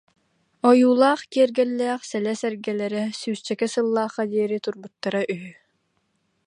Ойуулаах, киэргэллээх сэлэ сэргэлэрэ сүүсчэкэ сыллаахха диэри турбуттара үһү